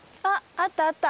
あったあった。